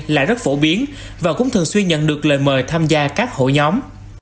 là rất phổ biến và cũng thường xuyên nhận được lời mời tham gia các hội nhóm